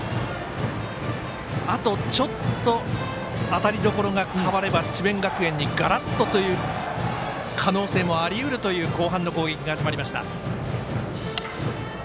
あとちょっと当たりどころが変われば智弁学園に、がらっとという可能性もありえるという後半の攻撃が始まりました。